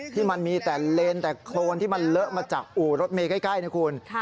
ที่มันมีแต่เลนแต่โครนที่มันเลอะมาจากอู่รถเมย์ใกล้นะคุณ